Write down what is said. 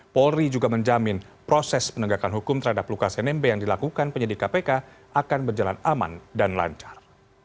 polri juga menjamin proses penegakan hukum terhadap lukas nmb yang dilakukan penyidik kpk akan berjalan aman dan lancar